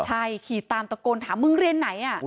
ใช่ขี่ตามตะโกนถามมึงเรียนไหน